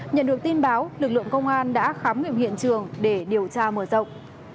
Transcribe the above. nhận được tin báo lực lượng công an đã khám nghiệm hiện trường để điều tra mở rộng